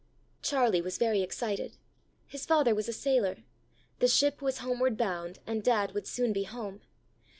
Charlie was very excited. His father was a sailor. The ship was homeward bound, and dad would soon be home.